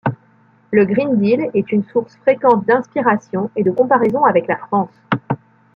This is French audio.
Le Green Deal est une source fréquente d’inspiration et de comparaison avec la France.